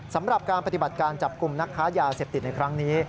สำหรับการปฏิบัติการจับกลุ่มนักค้ายาเสพติดในครั้งนี้